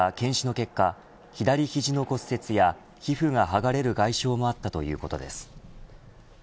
大塩さんは検視の結果左肘の骨折や皮膚がはがれる外傷があったということです。